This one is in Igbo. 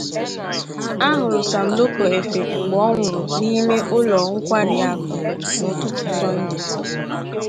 A hụrụ Sam Loco Efe mgbe ọ nwụrụ na ime ụlọ nkwari akụ n'ụtụtụ Sọnde.